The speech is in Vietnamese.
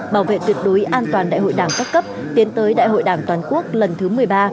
bảo vệ tuyệt đối an toàn đại hội đảng các cấp tiến tới đại hội đảng toàn quốc lần thứ một mươi ba